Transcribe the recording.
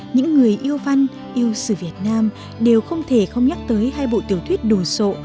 những người yêu văn yêu sử việt nam đều không thể không nhắc tới hai bộ tiểu thuyết đồ sộ